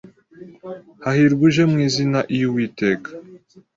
Hahirwa uje mu izina iy'Uwiteka.